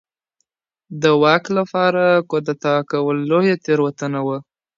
د واک لپاره کودتا کول لویه تېروتنه وه.